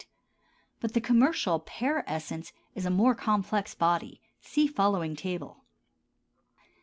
But the commercial "pear essence" is a more complex body (see following table).